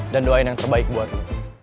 dan doain yang terbaik buat lo